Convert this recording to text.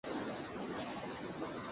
জাহিদ সাহেব যা ভেবেছিলেন, তাই।